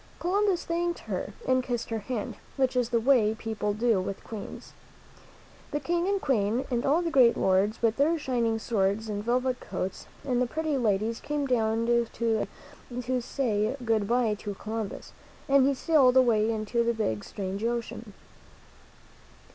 Columbus thanked her and kissed her hand, which is the way people do with Queens. The King and Queen and all the great lords, with their shining swords and velvet coats, and the pretty ladies came down to sea to say good by to Columbus, and he sailed away into the big, strange ocean.